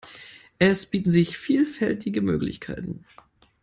Es bieten sich vielfältige Möglichkeiten.